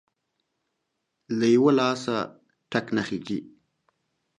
له يوه لاسه ټک نه خيږى.